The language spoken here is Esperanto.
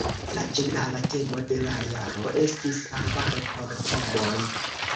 La ĝenerala temo de la jaro estis "Arbaro por homoj".